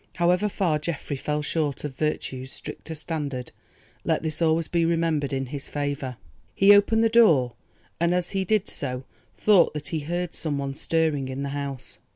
However far Geoffrey fell short of virtue's stricter standard, let this always be remembered in his favour. He opened the door, and as he did so, thought that he heard some one stirring in the house.